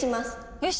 よし！